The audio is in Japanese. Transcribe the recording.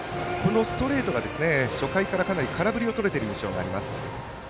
ストレートが初回から空振りをとれている印象があります。